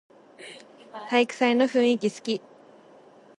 体育祭の雰囲気すき